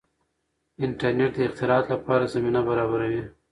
انټرنیټ د اختراعاتو لپاره زمینه برابروي.